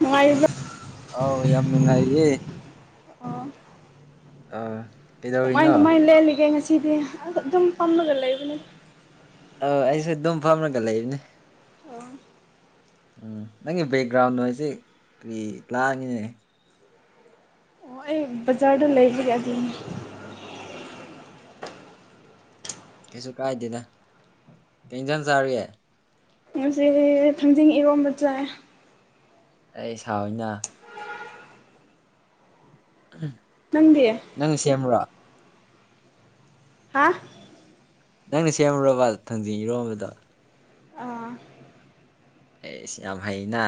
ꯃꯅꯨꯡꯉꯥꯏꯖ ꯑꯥꯎ ꯌꯥꯝ ꯅꯨꯡꯉꯥꯏꯌꯦ ꯑꯣ ꯑꯥ ꯀꯃꯥꯏ ꯀꯃꯥꯏ ꯂꯦꯜꯂꯤꯒꯦ ꯉꯁꯤꯗꯤ ꯑꯁ ꯑꯗꯨꯝ ꯄꯝꯃꯒ ꯂꯩꯕꯅꯦ ꯑ ꯑꯩꯁꯨ ꯑꯗꯨꯝ ꯐꯝꯔꯒ ꯂꯩꯔꯤꯅꯤ ꯑ ꯎꯝ ꯅꯪꯒꯤ ꯕꯦꯛꯒ꯭ꯔꯥꯎꯟꯗꯣ ꯑꯩꯁꯦ ꯀꯔꯤ ꯂꯥꯛꯉꯤꯅꯦ ꯑꯣ ꯑꯩ ꯕꯖꯥꯗ ꯂꯩꯒ ꯎꯝ ꯀꯩꯁꯨ ꯀꯥꯏꯗꯦꯅ ꯀꯦꯡꯖꯟ ꯆꯥꯔꯤꯌꯦ ꯉꯁꯤ ꯊꯥꯡꯖꯤꯡ ꯏꯔꯣꯝꯕ ꯆꯥꯏ ꯑꯩ ꯏꯁꯥ ꯑꯣꯏꯅ ꯎꯝ ꯅꯪꯗꯤꯌꯦ ꯅꯪ ꯁꯦꯝꯕ꯭ꯔꯣ ꯍꯥ ꯅꯪꯅ ꯁꯦꯝꯃꯨꯔꯕ ꯊꯥꯡꯖꯤꯡ ꯏꯔꯣꯝꯕꯗ ꯑꯥ ꯑꯩꯁ ꯌꯥꯝ ꯍꯩꯅ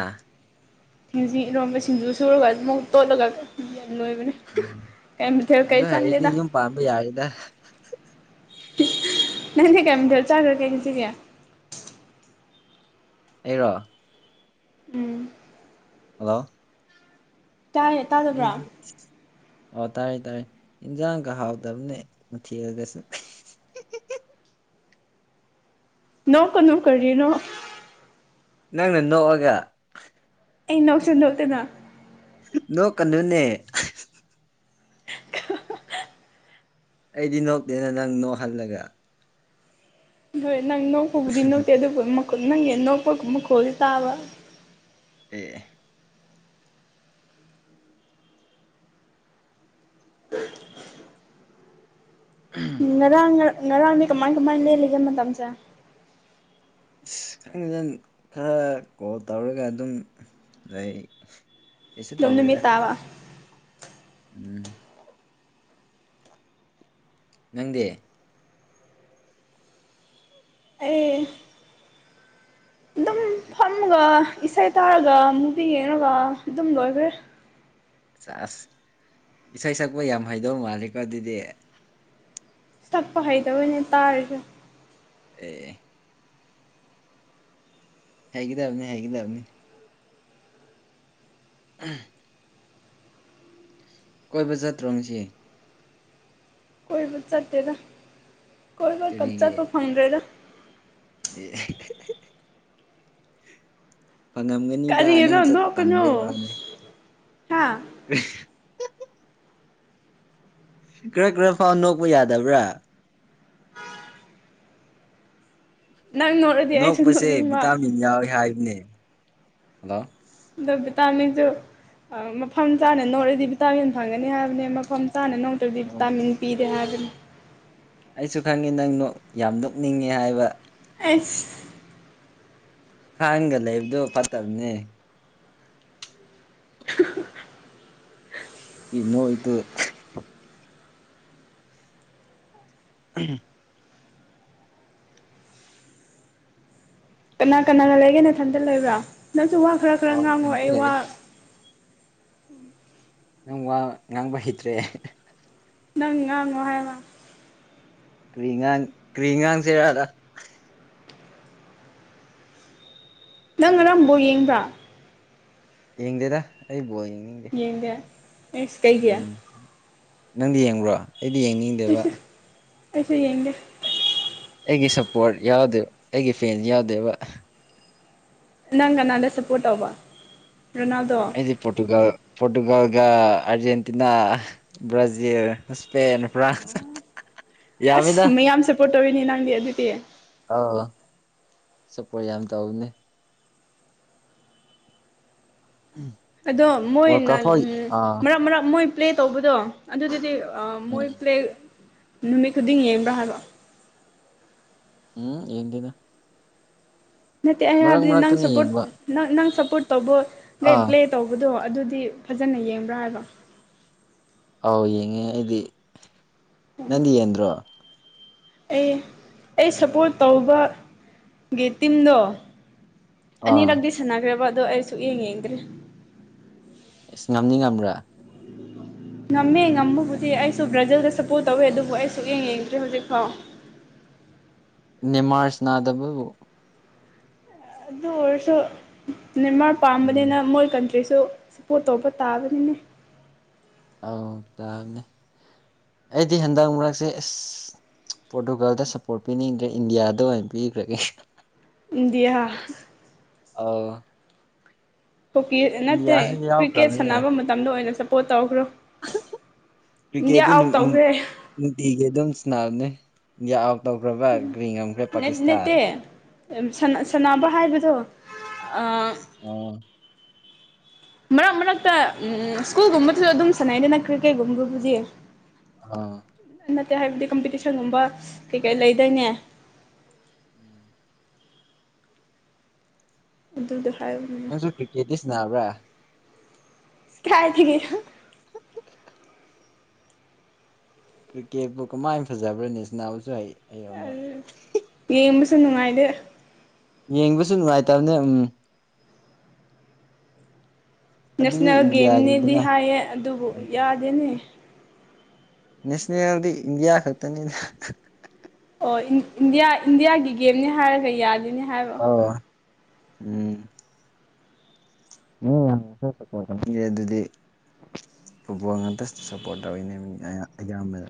ꯁꯤꯡꯁꯤ ꯏꯔꯣꯟꯝꯕ ꯁꯤꯡꯖꯨ ꯁꯨꯔꯒ ꯑꯗꯨꯝ ꯇꯣꯠꯂꯒ ꯌꯥꯝ ꯂꯣꯏꯕꯅꯦ ꯎꯝ ꯀꯩ ꯃꯊꯦꯜ ꯀꯩ ꯑꯗꯨ ꯍꯥꯏꯔꯗꯤ ꯆꯪꯗꯦꯗ ꯌꯨꯝ ꯄꯥꯝꯕ ꯌꯥꯔꯤꯗ ꯅꯪꯅꯦ ꯀꯩꯝꯊꯦꯜ ꯆꯥꯈ꯭ꯔꯒꯩꯁꯤꯒꯦ ꯑꯩꯔꯣ ꯎꯝ ꯍꯜꯂꯣ ꯇꯥꯏꯌꯦ ꯇꯥꯗꯕ꯭ꯔꯥ ꯑꯩꯗꯤ ꯑꯣ ꯇꯥꯔꯦ ꯇꯥꯔꯦ ꯏꯟꯖꯥꯡꯒ ꯍꯥꯎꯗꯕꯅꯦ ꯃ ꯊꯤꯔꯒꯁꯨ ꯅꯣꯛ ꯀꯩꯅꯨ ꯀꯔꯤꯅꯣ ꯅꯪꯅ ꯅꯣꯛꯑꯒ ꯑꯩ ꯅꯣꯛꯁꯤ ꯅꯣꯛꯇꯅ ꯅꯣꯛ ꯀꯟꯅꯣꯅꯦ ꯑꯩꯗꯤ ꯅꯣꯛꯇꯦꯅ ꯅꯪ ꯅꯣꯛꯍꯜꯂꯒ ꯍꯣꯏ ꯅꯪ ꯅꯣꯛꯄꯕꯨꯗꯤ ꯅꯣꯛꯇꯦ ꯑꯗꯨꯕꯨ ꯅꯪꯒꯤ ꯅꯣꯛꯄꯒ ꯃꯈꯣꯜꯁ ꯇꯥꯕ ꯑꯦ ꯉꯔꯥꯡ ꯉꯔꯥꯡꯗꯤ ꯀꯃꯥꯏ ꯀꯃꯥꯏꯅ ꯂꯦꯜꯂꯤꯒꯦ ꯃꯇꯝꯁꯦ ꯑꯁ ꯈꯪꯖꯟ ꯈꯔ ꯀꯣꯜ ꯇꯧꯔꯒ ꯑꯗꯨꯝ ꯂꯩ ꯀꯩꯁꯨ ꯗꯨꯝ ꯇꯧꯗꯦꯗ ꯅꯨꯃꯤꯠ ꯇꯥꯕ ꯎꯝ ꯅꯪꯗꯤ ꯑꯩ ꯑꯗꯨꯝ ꯐꯝꯃꯒ ꯏꯁꯩ ꯇꯥꯔꯒ ꯃꯨꯕꯤ ꯌꯦꯡꯉꯒ ꯑꯗꯨꯝ ꯂꯣꯏꯈ꯭ꯔꯦ ꯑꯥꯁ ꯏꯁꯩ ꯁꯛꯄ ꯌꯥꯝ ꯍꯩꯗꯧ ꯃꯥꯜꯂꯦꯀꯣ ꯑꯗꯨꯗꯤ ꯁꯥꯛꯄ ꯍꯩꯇꯕꯒꯤ ꯇꯥꯔꯤꯁꯦ ꯑꯦ ꯍꯩꯒꯗꯕꯅꯤ ꯍꯥꯏꯒꯗꯕꯅꯤ ꯎ ꯀꯣꯏꯕ ꯆꯠꯇ꯭ꯔꯣ ꯉꯥꯁꯤ ꯀꯣꯏꯕꯨ ꯆꯥꯇꯦꯗ ꯀꯣꯏ ꯕꯒꯥ ꯀꯔꯤꯒꯤ ꯆꯠꯄ ꯐꯥꯗꯦꯗ ꯑꯦ ꯐꯪꯉꯝꯒꯅꯤꯗ ꯅꯪ ꯀꯔꯤꯅꯣ ꯆꯠ ꯠꯟꯕꯩ ꯋꯥꯅꯦ ꯍꯥꯥ ꯀ ꯈꯔ ꯈꯔ ꯐꯥꯎ ꯅꯣꯛꯄ ꯌꯥꯗꯕ꯭ꯔꯥ ꯑ ꯅꯣꯛꯔꯗꯤ ꯑꯩꯁꯨ ꯅꯣꯛꯄꯁꯦ ꯅꯣꯛꯅꯤꯡꯕ ꯚꯤꯇꯥꯃꯤꯟ ꯌꯥꯎꯋꯏ ꯍꯥꯏꯕꯅꯦ ꯍꯜꯂꯣ ꯑꯗꯣ ꯕꯤꯇꯃꯤꯟꯁꯨ ꯃꯐꯝ ꯆꯥꯅ ꯅꯧꯔꯗꯤ ꯚꯤꯇꯥꯃꯤꯟ ꯐꯪꯒꯅꯤ ꯍꯥꯏꯕꯅꯦ ꯃꯐꯝ ꯆꯥꯅ ꯑꯗꯨꯗꯤ ꯑꯣ ꯚꯇꯝꯤꯟ ꯄꯤꯗꯦ ꯍꯥꯏꯕꯅꯦ ꯑꯩꯁꯨ ꯈꯪꯉꯤ ꯅꯪ ꯌꯥꯝ ꯅꯣꯛꯅꯤꯡꯉꯤ ꯍꯥꯏꯕ ꯑꯁ ꯈꯥꯡꯒ ꯂꯩꯕꯗꯣ ꯐꯠꯇꯕꯅꯦ ꯏ ꯅꯣꯛ ꯏꯇꯨ ꯎꯝ ꯀꯅꯥ ꯀꯅꯥꯅ ꯂꯩꯒꯦ ꯅꯊꯟꯇ ꯂꯩꯕ꯭ꯔꯥ ꯅꯪꯁꯨ ꯋꯥ ꯈꯔ ꯈꯔ ꯑꯣ ꯉꯥꯡꯉꯑꯣ ꯏꯊꯟꯇ ꯑꯩ ꯂꯩ ꯋꯥ ꯅꯪ ꯋꯥ ꯉꯥꯡꯕ ꯍꯩꯇ꯭ꯔꯦ ꯅꯪ ꯉꯥꯡ ꯌꯥꯪ ꯑꯣ ꯍꯥꯏꯕ ꯀꯔꯤꯉꯥꯡ ꯀ꯭ꯔꯤꯉꯥꯡꯁꯦꯔꯗ ꯅꯪ ꯉꯔꯡ ꯕꯣꯜ ꯌꯦꯡꯕ꯭ꯔꯥ ꯌꯦꯡꯗꯦꯗ ꯑꯩ ꯕꯣ ꯌꯦꯡꯅꯤꯡꯗꯦ ꯌꯦꯡꯗꯦ ꯑꯩꯁ ꯀꯩꯒꯤ ꯎꯝ ꯅꯪꯗꯤ ꯌꯦꯡꯕ꯭ꯔꯣ ꯑꯩꯗꯤ ꯌꯦꯡꯅꯤꯡꯗꯦꯕ ꯑꯩꯁꯨ ꯑꯩꯁꯨ ꯌꯦꯡꯗꯦ ꯑꯩꯒꯤ ꯁꯄꯣꯔꯠ ꯌꯥꯎꯗꯦ ꯑꯩꯒꯤ ꯐꯦꯟꯁ ꯌꯥꯎꯗꯦꯕ ꯅꯪ ꯀꯅꯥꯗ ꯁꯞꯄꯣꯔꯠ ꯇꯧꯕ ꯔꯣꯅꯥꯜꯗꯣ ꯗꯤ ꯄꯣꯔꯇꯨꯒꯥꯜ ꯄꯣꯔꯇꯨꯒꯥꯜꯒ ꯑꯔꯖꯦꯟꯇꯤꯅꯥ ꯕ꯭ꯔꯥꯖꯤꯜ ꯁ꯭ꯄꯦꯟ ꯐ꯭ꯔꯥꯟꯁ [unintelligible] ꯑꯁ ꯃꯌꯥꯝ ꯁꯞꯄꯣꯔꯠ ꯇꯧꯔꯤꯅꯤ ꯅꯪꯗꯤ ꯑꯗꯨꯗꯤ ꯑꯥꯎ ꯁꯄꯣꯔꯠ ꯌꯥꯝ ꯇꯧꯕꯅꯦ [unintelligible] ꯑꯗꯣ ꯋꯥꯔꯜ ꯃꯣꯏꯅ ꯀꯞ ꯐꯥꯎ ꯑꯥ ꯃꯔꯛ ꯃꯔꯥꯛ ꯃꯣꯏ ꯄ꯭ꯂꯦ ꯇꯧꯕꯗꯣ ꯑꯗꯨꯗꯨꯗꯤ ꯑ ꯃꯣꯏ ꯎꯝ ꯄ꯭ꯂꯦꯛ ꯅꯨꯃꯤꯠ ꯈꯨꯗꯤꯡ ꯌꯦꯡꯕ꯭ꯔꯥ ꯍꯥꯏꯕ ꯎꯝ ꯌꯦꯡꯗꯦꯗ ꯅꯠꯇꯦ ꯑꯩ ꯃꯔꯛ ꯍꯥꯏꯕꯗꯤ ꯅꯪ ꯃꯔꯛꯇꯅ ꯁꯞꯄꯣꯔꯠ ꯌꯦꯡꯕ ꯅꯪ ꯅꯪ ꯁꯞꯄꯣꯔꯠ ꯇꯧꯕ ꯔꯦꯗ ꯑꯥ ꯄ꯭ꯂꯦ ꯇꯧꯕꯗꯣ ꯑꯗꯨꯗꯤ ꯐꯖꯅ ꯌꯦꯡꯕ꯭ꯔꯥ ꯍꯥꯏꯕ ꯑꯧ ꯌꯦꯡꯉꯦ ꯑꯩꯗꯤ ꯅꯪꯗꯤ ꯌꯦꯟꯗ꯭ꯔꯣ ꯑꯩ ꯑꯩ ꯁꯞꯄꯣꯔꯠ ꯇꯧꯕꯒꯤ ꯇꯤꯝꯗꯣ ꯑꯥ ꯑꯅꯤꯔꯛꯗꯤ ꯁꯟꯅꯈ꯭ꯔꯦꯕ ꯑꯗꯣ ꯑꯩ ꯁꯨꯛ ꯌꯦꯡ ꯌꯦꯡꯗ꯭ꯔꯦ ꯑꯦꯁ ꯉꯝꯅꯤ ꯉꯝꯕ꯭ꯔꯥ ꯉꯝꯃꯦ ꯉꯃꯕꯨꯗꯤ ꯑꯩꯁꯨ ꯕ꯭ꯔꯥꯖꯤꯜꯗ ꯁꯞꯄꯣꯔꯠ ꯇꯧꯋꯦ ꯑꯗꯨꯕꯨ ꯑꯩꯁꯨꯛ ꯌꯦꯡ ꯌꯦꯡꯗ꯭ꯔꯤ ꯍꯧꯖꯤꯛꯐꯥꯎ ꯅꯦꯃꯥꯔ ꯁ꯭ꯅꯥꯗꯕꯕꯨ ꯑꯗꯨ ꯑꯣꯏꯔꯁꯨ ꯅꯦꯃꯥꯔ ꯄꯥꯝꯕꯅꯤꯅ ꯃꯣꯏ ꯀꯟꯇ ꯔꯤꯁꯨ ꯁꯞꯄꯣꯔꯠ ꯇꯧꯕ ꯇꯥꯕꯅꯤꯅꯦ ꯑꯧ ꯇꯥꯕꯅꯦ ꯑꯩꯗꯤ ꯍꯟꯗꯛ ꯃꯔꯛꯁꯦ ꯑꯁ ꯄꯣꯔꯇꯨꯒꯥꯜꯗ ꯁꯞꯄꯣꯔꯠ ꯄꯤꯅꯤꯡꯗ꯭ꯔꯦ ꯏꯟꯗꯤꯌꯥꯗ ꯑꯣꯏꯅ ꯄꯤꯈ꯭ꯔꯒꯦ ꯏꯟꯗꯤꯌꯥ ꯑꯧ ꯍꯣꯛꯀꯤ ꯅꯠꯇꯦ ꯏꯟꯗꯤꯌꯥꯁꯨ ꯀ꯭ꯔꯤꯛꯀꯦꯠ ꯌꯥꯎꯈ꯭ꯔꯕꯅꯦ ꯁꯥꯟꯅꯕ ꯃꯇꯝꯗ ꯑꯣꯏꯅ ꯁꯞꯄꯣꯠ ꯇꯧꯈ꯭ꯔꯣ ꯏꯟꯗꯤꯌꯥ ꯀ꯭ꯔꯤꯀꯦꯠꯇꯤ ꯑꯥꯎꯠ ꯅꯨꯡ ꯅꯨꯡ ꯇꯧꯈ꯭ꯔꯦ ꯅꯨꯡꯇꯤꯒꯤ ꯑꯗꯨꯝ ꯁꯟꯅꯕꯅꯦ ꯏꯟꯗꯤꯌꯥ ꯑꯥꯎꯠ ꯇꯧꯈ꯭ꯔꯕ ꯒ꯭ꯔꯤ ꯉꯝꯈ꯭ꯔꯦ ꯄꯥꯀꯤꯁꯇꯥꯟ ꯁꯅ ꯁꯟꯅꯥꯕ ꯍꯥꯏꯕꯗꯣ ꯑꯥ ꯑꯣ ꯃꯔꯛ ꯃꯔꯛꯇ ꯎꯝ ꯁ꯭ꯀꯨꯜꯒꯨꯝꯕꯗꯨꯁꯨ ꯑꯗꯨꯝ ꯁꯥꯟꯅꯩꯗꯅ ꯀ꯭ꯔꯤꯀꯦꯠꯒꯨꯝꯕꯕꯨꯗꯤ ꯑ ꯅꯠꯇꯦ ꯍꯥꯏꯕꯗꯤ ꯀꯝꯄꯤꯇꯤꯁꯟꯒꯨꯝꯕ ꯀꯩ ꯀꯩ ꯂꯩꯗꯥꯏꯅꯦ ꯎꯝ ꯑꯗꯨꯗꯣ [unintelligible] ꯀꯦꯇꯤꯁ ꯅꯥꯕ꯭ꯔꯥ ꯀꯥꯏ ꯊꯒꯤ ꯀ꯭ꯔꯤꯛꯀꯦꯠꯄꯨ ꯀꯃꯥꯏ ꯐꯖꯕ꯭ꯔꯥꯅꯦ ꯁ꯭ꯅꯥꯕꯨꯁꯨ ꯍꯩ ꯍꯩꯔꯝꯃꯣꯏ ꯌꯦꯡꯕꯁꯨ ꯅꯨꯡꯉꯥꯏꯗꯦ ꯌꯦꯡꯕꯁꯨ ꯅꯨꯡꯉꯥꯏꯇꯕꯅꯦ ꯎꯝ ꯑꯗꯨꯗꯤ ꯅꯦꯁꯅꯦꯜ ꯒꯦꯝꯅꯦꯗꯤ ꯏꯟꯗꯤꯌꯥꯒꯤꯗꯅ ꯍꯥꯏꯌꯦ ꯑꯗꯨꯕꯨ ꯌꯥꯗꯦꯅꯦ ꯅꯦꯁꯅꯦꯜꯗꯤ ꯏꯟꯗꯤꯌꯥ ꯈꯛꯇꯅꯤꯅ ꯑꯣ ꯏꯟꯗꯤꯌꯥ ꯏꯟꯗꯤꯌꯥꯒꯤ ꯒꯦꯝꯅꯤ ꯍꯥꯏꯔꯒ ꯌꯥꯗꯅꯤ ꯍꯥꯏꯕ ꯑꯣ ꯎꯝ ꯌꯦ ꯑꯗꯨꯗꯤ [unintelligible] ꯐꯨꯠꯕꯣꯜ ꯉꯥꯛꯇ ꯁ ꯁꯞꯄꯣꯔꯠ ꯇꯧꯋꯤꯅꯦ ꯑꯌꯥꯝꯕꯗ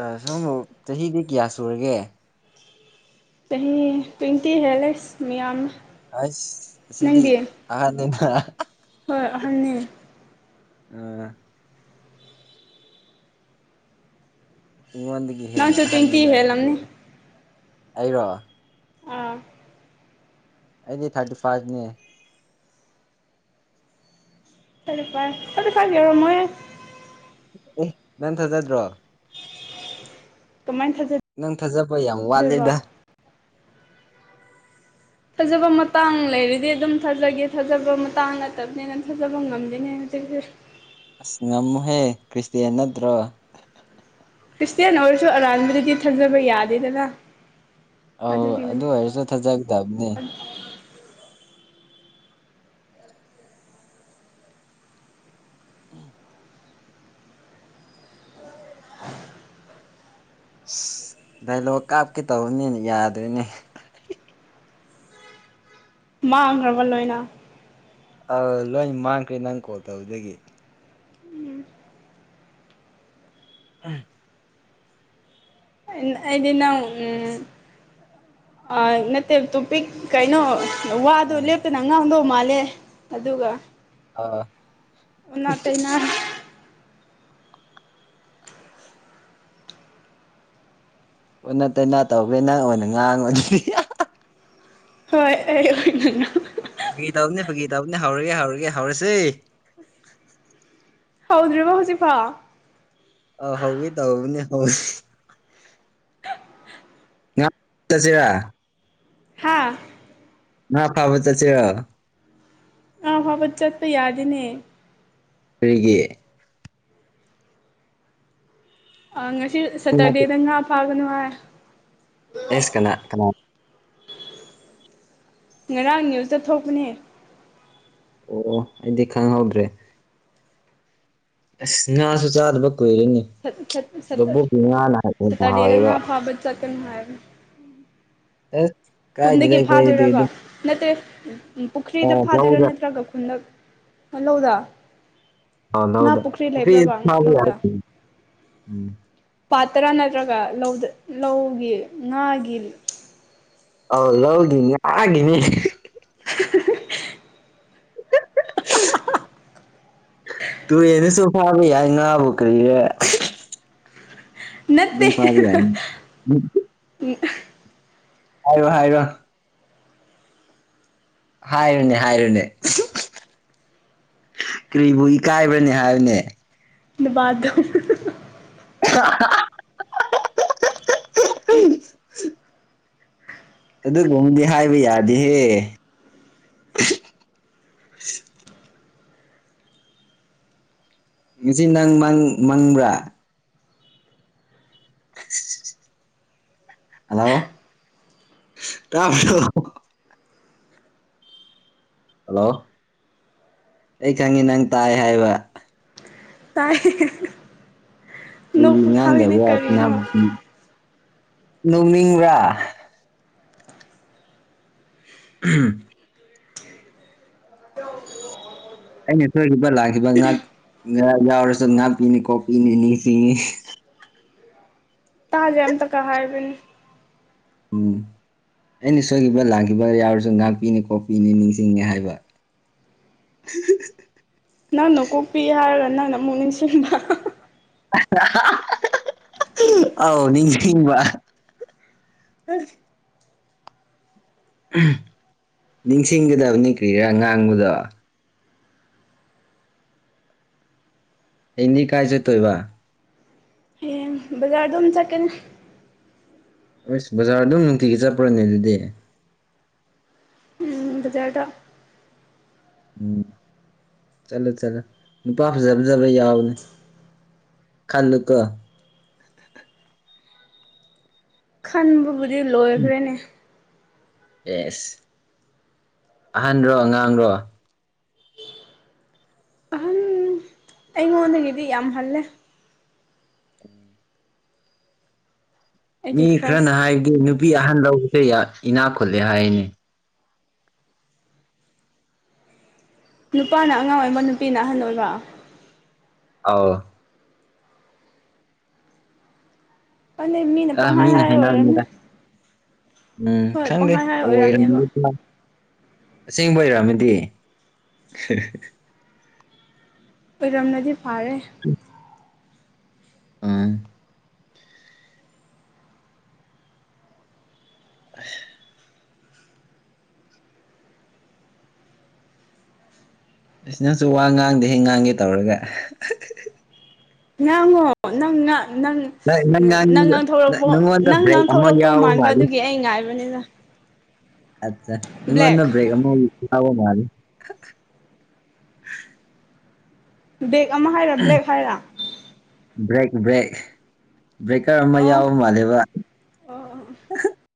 ꯑ ꯁꯣꯝꯕꯨ ꯆꯍꯤꯗꯤ ꯀꯌꯥ ꯁꯨꯔꯒꯦ ꯆꯍꯤ ꯇ꯭ꯋꯦꯟꯇꯤ ꯍꯦꯜꯂꯦ ꯑꯁ ꯃꯌꯥꯝꯃ ꯑꯁ ꯁꯤꯗꯤ ꯑꯍꯟꯅ‌ꯦ ꯈꯔ ꯍꯣꯏ ꯑꯍꯟꯅꯦ ꯑꯥ [unintelligible] ꯅꯪꯁꯨ ꯇ꯭ꯋꯦꯟꯇꯤ ꯑꯍꯟꯅꯤꯅ ꯑꯗꯨꯗꯤ ꯍꯦꯜꯂꯝꯅꯤ ꯑꯩꯔꯣ ꯑꯥ ꯑꯩꯗꯤ ꯊꯥꯔꯇꯤ ꯐꯥꯏꯚꯅꯦ ꯊꯥꯔꯇꯤ ꯐꯥꯏꯚꯅꯦ ꯊꯥꯔꯇꯤ ꯐꯥꯏꯚꯅꯦ ꯌꯧꯔꯝꯃ‌ꯣꯏꯍ‌ꯦ ꯑꯦ ꯅꯪ ꯊꯥꯖꯗ꯭ꯔꯣ ꯀꯃꯥꯏ ꯊꯖ ꯅꯪ ꯊꯥꯖꯕ ꯌꯥꯝ ꯋꯥꯠꯂꯦꯗ ꯊꯥꯖꯕ ꯃꯇꯥꯡ ꯂꯩꯔꯗꯤ ꯑꯗꯨꯝ ꯊꯥꯖꯒꯦ ꯊꯥꯖꯕ ꯃꯇꯥꯡ ꯅꯠꯇꯕꯅꯤꯅ ꯊꯥꯖꯕ ꯉꯝꯗꯦꯅꯦ ꯍꯧꯖꯤꯛꯇꯤ ꯑꯁ ꯉꯝꯃ‌ꯣꯍꯦ ꯀ꯭ꯔꯤꯁꯇꯌꯥ ꯅꯠꯇ꯭ꯔꯣ ꯈ꯭ꯔꯤꯁꯇꯌꯥꯟ ꯑꯣꯏꯔꯁꯨ ꯑꯔꯥꯟꯕꯗꯗꯤ ꯊꯥꯖꯕ ꯌꯥꯗꯦꯗꯅ ꯑꯧ ꯑꯗꯨꯒꯤꯅꯤ ꯑꯗꯨ ꯑꯣꯏꯔꯁꯨ ꯊꯥꯖꯒꯗꯕꯅꯦ [unintelligible] ꯑꯁ ꯗꯥꯏꯂꯣꯛ ꯀꯥꯞꯀꯦ ꯇꯧꯕꯅꯦꯅ ꯌꯥꯗꯔ‌ꯦꯅꯦ ꯃꯥꯡꯈ꯭ꯔꯕ‌ꯣ ꯂꯣꯏꯅ ꯑꯥ ꯂꯣꯏ ꯃꯥꯡꯈ꯭ꯔꯦ ꯅꯪ ꯀꯣꯜ ꯇꯧꯕꯗꯒꯤ [unintelligible] ꯑꯩꯗꯤ ꯅꯪ ꯎꯝ ꯑꯥ ꯅꯠꯇꯦ ꯇꯣꯄꯤꯛ ꯀꯩꯅꯣ ꯋꯥꯗꯣ ꯑꯥ ꯂꯦꯞꯇꯅ ꯉꯥꯡꯗꯧ ꯃꯥꯜꯂꯦ ꯑꯗꯨꯒ ꯑꯥ ꯑꯣꯟꯅ ꯇꯩꯅ ꯑꯣꯟꯅ ꯇꯩꯅ ꯇꯧꯕꯅꯤꯅ ꯅꯪ ꯑꯣꯏꯅ ꯉꯥꯡꯉ‌ꯣꯅ‌ꯦ ꯍꯣꯏ ꯑꯩ ꯐꯥꯒꯤ ꯇꯧꯕꯅ‌ꯦ ꯐꯥꯒꯤ ꯇꯧꯕꯅ‌ꯦ ꯍꯧꯔꯒꯦ ꯍꯧꯔꯒꯦ ꯍꯧꯔꯁ‌ꯦ ꯍꯧꯗ꯭ꯔꯤꯕ ꯍꯧꯖꯤꯛꯐꯥꯎ ꯑ ꯍꯧꯒ‌ꯦ ꯇꯧꯕꯅꯦ ꯍꯧ [unintelligible] ꯉ ꯆꯠꯁꯤꯔ ꯍꯥꯥ ꯉ ꯐꯕ ꯆꯠꯁꯤꯔ‌ꯣ ꯉꯥ ꯐꯥꯕ ꯆꯠꯄ ꯌꯥꯗꯦꯅꯦ ꯀꯔꯤꯒꯤ ꯑ ꯉꯁꯤ ꯁꯦꯇꯔꯗꯦꯗ ꯉꯥ ꯐꯥꯒꯅꯨ ꯍꯥꯏ ꯑꯦꯁ ꯀꯅꯥ ꯀꯅꯥ ꯉꯔꯥꯡ ꯅ꯭ꯌꯨꯁꯇ ꯊꯣꯛꯄꯅꯦ ꯑꯣ ꯑꯩꯗꯤ ꯈꯪꯍꯧꯗ꯭ꯔꯦ ꯑꯁ ꯉꯥꯁꯨ ꯆꯥꯗꯕ ꯀꯨꯏꯔ‌ꯦꯅ‌ꯦ ꯁꯦꯇꯔꯗꯦꯗ ꯍꯥꯎꯋꯦꯕ ꯉꯥ ꯐꯥꯕ ꯆꯠꯀꯅꯨ ꯍꯥꯏꯕꯅ‌ꯦ ꯑꯦ ꯈꯨꯟꯗꯒꯤ ꯐꯥꯗꯣꯏꯔꯕ ꯅꯠꯇ꯭ꯔ ꯄꯨꯈ꯭ꯔꯤꯗ ꯑꯣ ꯐꯥꯗꯣꯏꯔꯥ ꯂꯧꯗ ꯅꯠꯇ꯭ꯔꯒ ꯈꯨꯟꯗ ꯍꯜꯂꯥꯎꯗ ꯂꯧꯗ [unintelligible] ꯄꯥꯠ ꯇꯔꯥ ꯅꯠꯇ꯭ꯔꯒ ꯂꯧꯗ ꯂꯧꯒꯤ ꯉꯥꯒꯤ ꯑꯧ ꯂꯧꯒꯤ ꯉꯥꯒꯤꯅꯤ [unintelligible] ꯇꯨ ꯑꯦꯅꯤꯁꯨꯨ ꯐꯕꯤ ꯌꯥ ꯉꯅꯥ ꯑꯕꯨ ꯀꯔꯤ ꯅꯠꯇꯦ ꯎꯝ ꯐꯔ ꯌꯥ ꯎ ꯍꯥꯏꯔꯣ ꯍꯥꯏꯔꯣ ꯍꯥꯏꯔꯨꯅꯦ ꯍꯥꯏꯔꯨꯅꯦ ꯀꯔꯤꯕꯨ ꯏꯀꯥꯏꯕ꯭ꯔꯅꯦ ꯍꯥꯏꯕꯅꯦ ꯅꯨꯕꯥꯗ ꯍ [inaudible] ꯑꯗꯨꯒꯨꯝꯕꯗꯤ ꯍꯥꯏꯕ ꯌꯥꯗꯦꯍꯦ ꯉꯁꯤ ꯅꯪ ꯃꯪꯕ꯭ꯔꯥ [inaudible] ꯍꯜꯂꯣ ꯇꯣ ꯍꯜꯂꯣ ꯑꯩ ꯈꯪꯉꯤ ꯅꯪ ꯇꯥꯏ ꯍꯥꯏꯕ ꯇꯥꯏ ꯑꯩ ꯅꯣꯛꯄ ꯈꯥꯡꯉꯤꯅꯦ ꯉꯥꯡꯗꯕ꯭ꯔꯥ ꯀꯔꯤꯅꯣ ꯅꯧꯅꯤꯡꯕ꯭ꯔꯥ ꯎꯝ ꯍ ꯑꯩꯅ ꯁꯣꯏꯈꯤꯕ ꯂꯥꯛꯈꯤꯕ ꯉꯍ ꯉ ꯌꯥꯎꯔꯁꯨ ꯉꯥꯛꯄꯤꯤꯅꯤꯀꯣ ꯄꯤꯅꯤ ꯅꯤꯡꯁꯤꯡꯅꯤ ꯇꯥꯖꯦ ꯑꯃ ꯇ ꯀ ꯍꯥꯏꯕꯅꯦ ꯎꯝ ꯑꯩꯅ ꯁꯣꯏꯈꯤꯕ ꯂꯥꯛꯈꯤꯕ ꯌꯥꯎꯔꯁꯨ ꯉꯥꯛꯄꯤꯅꯤ ꯀꯣꯛꯄꯤꯅꯤ ꯅꯤꯡꯁꯤꯡꯅꯤ ꯍꯥꯏꯕ ꯎ ꯅꯪꯅ ꯀꯣꯛꯄꯤ ꯍꯥꯏꯔꯒ ꯅꯪꯅ ꯑꯃꯨꯛ ꯅꯤꯡꯁꯤꯡꯕ ꯑ ꯅꯤꯡꯁꯨ ꯏꯕ ꯅꯤꯡꯁꯤꯡꯒꯗꯕꯅꯤ ꯀꯔꯤꯔꯥ ꯉꯥꯡꯕꯗꯣ ꯑꯦꯅꯤ ꯀꯥꯏꯁꯦ ꯇꯣꯏꯕ ꯑꯦ ꯖꯥꯔꯗꯝ ꯆꯠꯀꯅꯦ ꯑꯁ ꯕꯖꯥꯔ ꯑꯗꯨꯝ ꯅꯨꯡꯇꯤꯒꯤ ꯆꯠꯄ꯭ꯔꯣꯅꯦ ꯑꯗꯨꯗꯤ ꯕꯖꯔꯗ ꯎꯝ ꯆꯠꯂꯣ ꯆꯠꯂꯣ ꯅꯨꯄꯥ ꯐꯖ ꯐꯖꯕ ꯌꯥꯎꯕꯅꯦ ꯈꯜꯂꯀ ꯈꯟꯕꯕꯨꯗꯤ ꯂꯣꯏꯈ꯭ꯔꯦꯅꯦ ꯌꯦꯁ ꯑꯍꯟꯣ ꯑꯉꯥꯡꯔꯣ ꯑꯍꯟ ꯑꯩꯉꯣꯟꯗꯒꯤꯗꯤ ꯌꯥꯝ ꯍꯜꯂꯦ ꯎꯝ ꯃꯤ ꯑꯩꯒꯤ ꯈꯔꯅ ꯈ꯭ꯔꯁ ꯍꯥꯏꯕꯗꯤ ꯅꯨꯄꯤ ꯑꯍꯟ ꯂꯧꯕꯁꯦ ꯏꯅꯥꯛ ꯈꯨꯜꯂꯦ ꯍꯥꯏꯔꯤꯅꯤ ꯅꯨꯄꯥꯅ ꯑꯉꯥꯡ ꯑꯣꯏꯕ ꯅꯨꯄꯤꯅ ꯑꯍꯜ ꯑꯣꯏꯕ ꯑ ꯑꯗꯩ ꯃꯤꯅ ꯑ ꯄꯍꯔ ꯍꯥꯏꯔ ꯑꯣꯏꯔꯝꯅꯤ ꯍꯥꯏꯅꯕꯅꯤꯗ ꯎꯝ ꯍꯣꯏ ꯀꯪꯗ ꯄꯪꯍꯥꯏ ꯍꯥꯏꯔ ꯑꯣꯏꯔꯝꯅꯦꯕ ꯑꯁꯦꯡꯕ ꯑꯣꯏꯔꯛꯝꯑꯃꯦꯗꯤ ꯑꯣꯏꯔꯝꯅꯗꯤ ꯐꯥꯔꯦ ꯑ ꯑ ꯑꯁꯤ ꯅꯪꯁꯨ ꯋꯥ ꯉꯥꯡꯗꯦ ꯍꯦꯛ ꯉꯥꯡꯒꯦ ꯇꯧꯔꯒ ꯉꯥꯡꯉꯣ ꯅꯪ ꯉ ꯅꯪ ꯅꯪ ꯉꯥꯡꯅꯤꯡꯕ ꯉꯥꯡꯊꯣꯔꯛꯄ ꯅꯪꯉꯣꯟꯗ ꯅꯪ ꯕ꯭ꯔꯦꯛ ꯑꯃ ꯉꯥꯡꯊꯣꯔꯛꯇꯧ ꯌꯥꯎꯕ ꯃꯥꯟꯕ ꯃꯥꯜꯂꯤ ꯑꯗꯨꯒꯤ ꯑꯩ ꯉꯥꯏꯕꯅꯤꯅ ꯑꯠ ꯕ꯭ꯂꯦꯛ ꯃꯤꯉꯣꯟꯗ ꯕ꯭ꯔꯦꯛ ꯑꯃ ꯂꯥꯎꯕ ꯃꯥꯂꯦ ꯕꯦꯛ ꯑꯃ ꯍꯥꯏꯔꯥ ꯕ꯭ꯂꯦꯛ ꯍꯥꯏꯔꯥ ꯕ꯭ꯔꯦꯛ ꯕ꯭ꯔꯦꯛ ꯕ꯭ꯔꯦꯛꯀꯔ ꯑꯃ ꯑꯣ ꯌꯥꯎꯕ ꯃꯥꯜꯂꯦꯕ ꯑꯣ ꯑꯣ